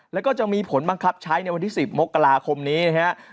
แล้วก็จะมีผลบังคับใช้ในวันที่๑๐มกราคมนี้นะครับ